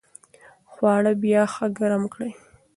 خواړه بیا ښه ګرم کړئ.